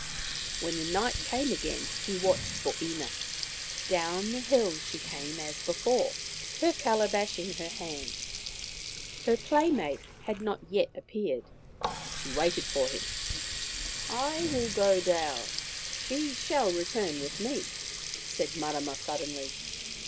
When night came again he watched for Ina. Down the hill she came as before, her calabash in her hand. Her playmate had not yet appeared ; she awaited him. ." I will go down ! She shall return with me," said Marama suddenly.